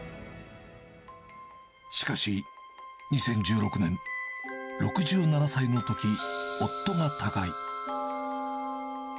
しかし２０１６年、６７歳のとき、夫が他界。